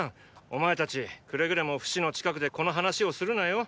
お前たちくれぐれもフシの近くでこの話をするなよ。